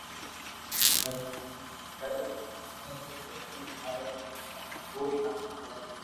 El funicular tiene dos estaciones llamadas "Bahram Gur" y "Martyrs 'Lane".